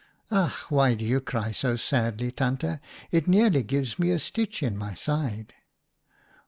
"■ Ach ! why do you cry so sadly, Tante ? It nearly gives me a stitch in my side.'